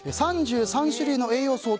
３３種類の栄養素を